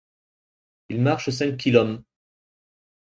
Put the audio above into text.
Il marche cinq kilom